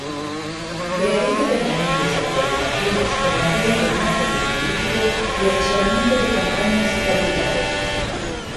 Realiza permanentes actualizaciones en Materia de Marketing Político y Asesoramiento de Campañas y candidatos.